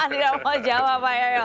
tidak mau jawab